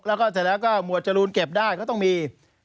แล้วก็เสร็จแล้วก็หมวดจรูนเก็บได้ก็ต้องมี